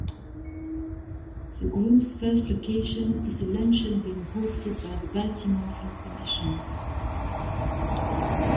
The group's first location is a luncheon being hosted by the Baltimore Film Commission.